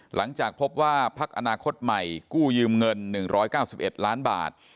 หลังจากพบว่าพักอนาคตใหม่กู้ยืมเงิน๑๙๑ล้านบาท